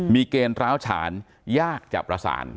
มีเกณฑ์ร้าวฉานยากจะประสาน